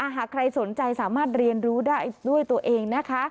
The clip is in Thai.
หากใครสนใจสามารถเรียนรู้ได้ด้วยตัวเองนะคะ